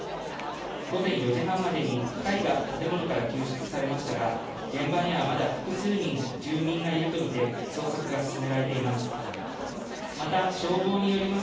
午前４時半までに２人が建物から救出されましたが、現場にはまだ複数人、住民がいると見て捜索が進められています。